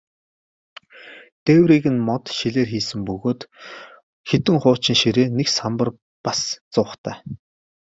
Дээврийг нь мод, шилээр хийсэн бөгөөд хэдэн хуучин ширээ, нэг самбар, бас зуухтай.